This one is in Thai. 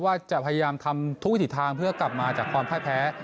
ว่าจะพยายามทำทุกวิถีทางเพื่อกลับมาจากความพ่ายแพ้